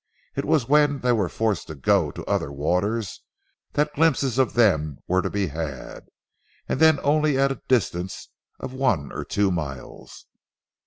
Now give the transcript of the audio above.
It was when they were forced to go to other waters that glimpses of them were to be had, and then only at a distance of one or two miles.